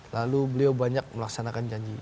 lalu beliau banyak melaksanakan janji